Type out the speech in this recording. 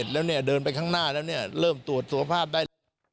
๖๖๖๗แล้วเดินไปข้างหน้าแล้วเริ่มตรวจสุขภาพได้